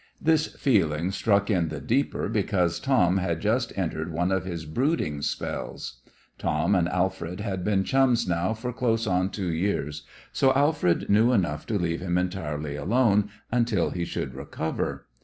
This feeling struck in the deeper because Tom had just entered one of his brooding spells. Tom and Alfred had been chums now for close on two years, so Alfred knew enough to leave him entirely alone until he should recover.